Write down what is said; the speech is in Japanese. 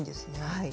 はい。